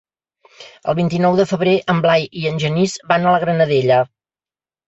El vint-i-nou de febrer en Blai i en Genís van a la Granadella.